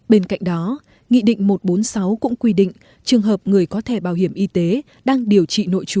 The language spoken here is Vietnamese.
bên cạnh đó nghị định một trăm bốn mươi sáu cũng quy định trường hợp người có thẻ bảo hiểm y tế đang điều trị nội trú